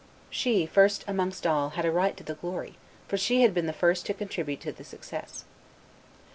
She, first amongst all, had a right to the glory, for she had been the first to contribute to the success.